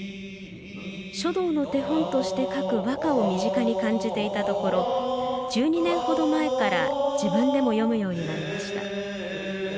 書道の手本として書く和歌を身近に感じていたところ１２年程前から自分でも詠むようになりました。